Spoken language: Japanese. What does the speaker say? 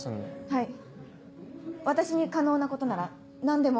はい私に可能なことなら何でも。